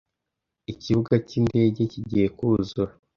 Ikibuga kindege kigiye kuzura